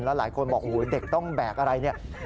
หลายคนบอกโอ้โหเด็กต้องแบกอะไรเนี่ย